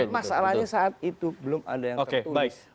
masalahnya saat itu belum ada yang tertulis